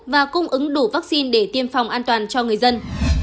và cung ứng đủ vaccine để tiêm phòng an toàn cho người dân